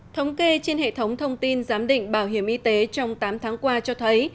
thống kê trên hệ thống thông tin giám định bảo hiểm y tế trong tám tháng qua cho thấy